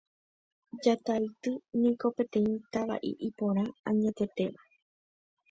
Jataity niko peteĩ tava'i iporã añetetéva